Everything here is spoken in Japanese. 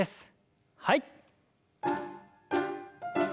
はい。